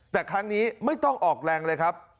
แต่ครั้งนี้ไม่ต้องออกแรงเลยครับ